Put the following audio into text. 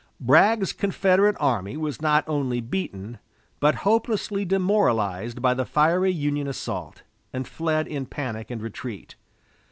Bragg's Confederate army was not only beaten, but hopelessly demoralized by the fiery Union assault, and fled in panic and retreat.